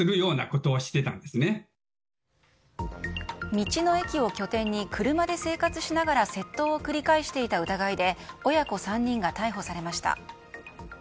道の駅を拠点に車で生活しながら窃盗を繰り返していた疑いで親子３人が逮捕されました。